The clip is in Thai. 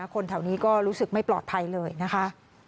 คนแถวนี้ก็รู้สึกไม่ปลอดภัยเลยนะคะ